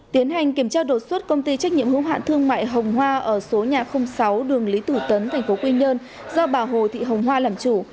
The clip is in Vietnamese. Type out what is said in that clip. tiến hành kiểm tra đột xuất công ty trách nhiệm hướng hạn thương mại hồng hoa ở số nhà sáu đường lý thủ tấn thành phố quy nhơn do bà hồ thị hồng hoa làm chủ